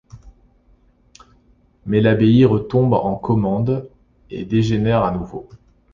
Mais l'abbaye retombe en commende et dégénère à nouveau.